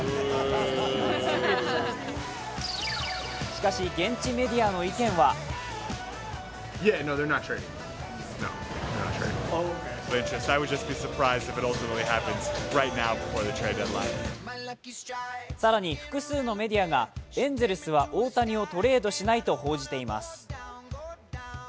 しかし、現地メディアの意見は更に複数のメディアがエンゼルスは大谷をトレードしないと報じています。